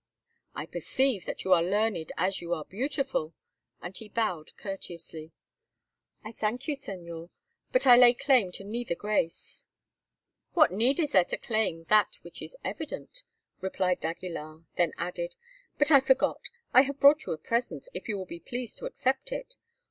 "I perceive that you are learned as you are beautiful," and he bowed courteously. "I thank you, Señor; but I lay claim to neither grace." "What need is there to claim that which is evident?" replied d'Aguilar; then added, "But I forgot, I have brought you a present, if you will be pleased to accept it.